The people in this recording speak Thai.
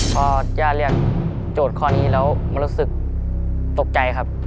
พอย่าเรียกโจทย์ข้อนี้แล้วมันรู้สึกตกใจครับ